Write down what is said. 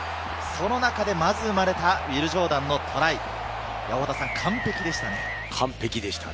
その中で生まれたウィル・ジョーダンのトライ、完璧でしたね。